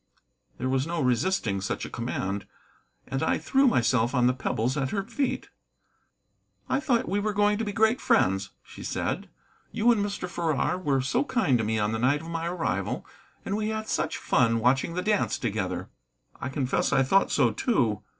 There was no resisting such a command, and I threw myself on the pebbles at her feet. "I thought we were going to be great friends," she said. "You and Mr. Farrar were so kind to me on the night of my arrival, and we had such fun watching the dance together." "I confess I thought so, too.